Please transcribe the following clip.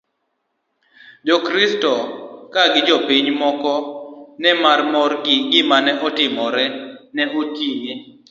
jokristo ka gi jopiny moko ma ne omor gi gimane otimore ne oting'e